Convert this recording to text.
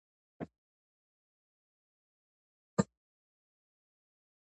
شاعري د خیال او فکر په نړۍ کې د نوښت او تخلیق ښکارندوی ده.